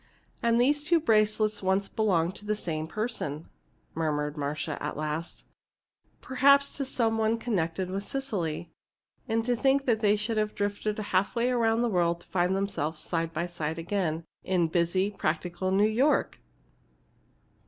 "And these two bracelets once belonged to the same person," murmured Marcia, at last; "perhaps to some one connected with Cecily. And to think they should have drifted halfway around the world to find themselves side by side again in busy, practical New York!"